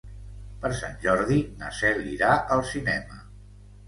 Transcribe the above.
Per Sant Jordi na Cel irà al cinema.